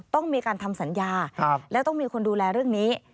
ต้องมีการทำสัญญาและต้องมีคนดูแลเรื่องนี้